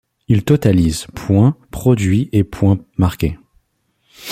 Il totalise points produits et points marqués.